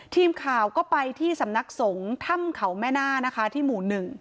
ทีมข่าวก็ไปที่สำนักสงฆ์ถ้ำเขาแม่หน้านะคะที่หมู่๑